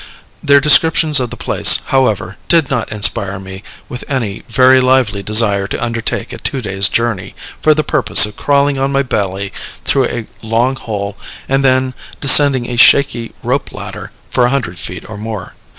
Their descriptions of the place, however, did not inspire me with any very lively desire to undertake a two days' journey for the purpose of crawling on my belly through a long hole, and then descending a shaky rope ladder for a hundred feet or more.